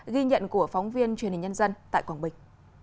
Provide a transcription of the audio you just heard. ghi nhận của phóng viên truyền hình nhân dân tại quảng bình